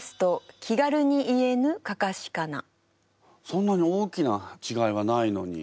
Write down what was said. そんなに大きなちがいはないのに。